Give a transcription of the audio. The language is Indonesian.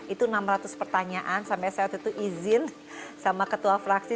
itu enam ratus pertanyaan sampai saya waktu itu izin sama ketua fraksi